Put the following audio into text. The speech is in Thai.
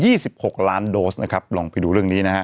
คือวันนี้นะครับนายวิทินชาญวิรกูลนะครับรองนายวิทินชาญวิรกูลนะครับ